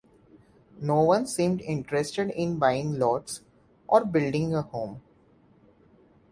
No one seemed interested in buying lots or building a home.